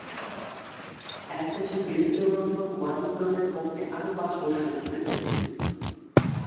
এক বছর বিরতি নেয়ার পর ওয়েলিংটনের পক্ষে আরও পাঁচ মৌসুম খেলেন তিনি।